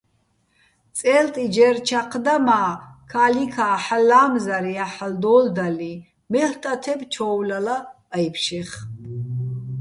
წე́ლტი ჯერ ჩაჴ და, მა́ ქა́ლიქა́ ჰ̦ალო̆ ლა́მზარჲაჼ ჰ̦ალო̆ დო́ლდალიჼ, მელ' ტათებ ჩო́ვლალა აჲფშეხ.